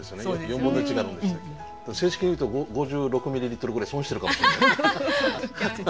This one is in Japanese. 正式に言うと５６ミリリットルぐらい損してるかもしれない。